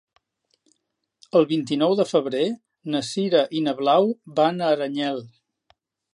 El vint-i-nou de febrer na Sira i na Blau van a Aranyel.